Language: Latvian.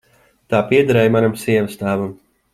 Tā piederēja manam sievastēvam.